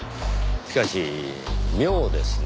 しかし妙ですねぇ。